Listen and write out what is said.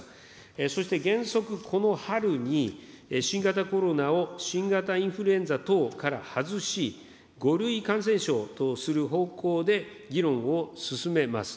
そして、原則この春に、新型コロナを新型インフルエンザ等から外し、５類感染症とする方向で議論を進めます。